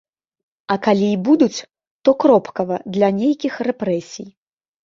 А калі і будуць, то кропкава для нейкіх рэпрэсій.